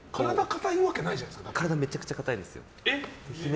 体めちゃくちゃ硬いんです。